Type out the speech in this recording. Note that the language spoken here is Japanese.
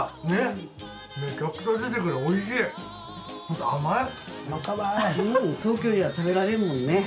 東京じゃ食べられんもんね。